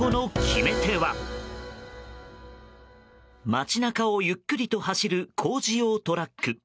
街中をゆっくりと走る工事用トラック。